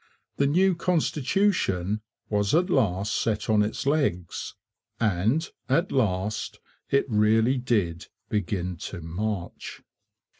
The new constitution was at last set on its legs, and, at last, it really did begin to 'march.'